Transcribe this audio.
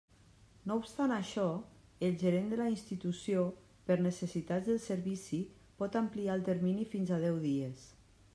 No obstant això, el gerent de la institució, per necessitats del servici, pot ampliar el termini fins a deu dies.